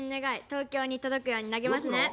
東京に届くように投げますね。